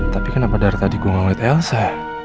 tapi kenapa darah tadi gue gak liat yelza